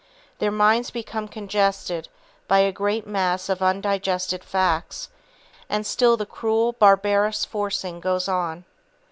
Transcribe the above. Their minds become congested by a great mass of undigested facts, and still the cruel, barbarous forcing goes on.